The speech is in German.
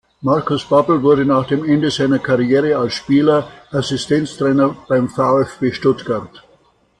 Markus Babbel wurde nach dem Ende seiner Karriere als Spieler Assistenztrainer beim VfB Stuttgart.